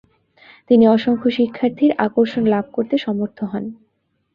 তিনি অসংখ্য শিক্ষার্থীর আকর্ষণ লাভ করতে সমর্থ হন।